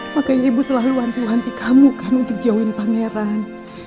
makanya ibu selalu hanti hanti kamu kan untuk jauhin pangeran